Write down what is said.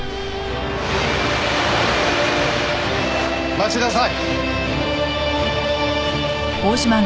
待ちなさい。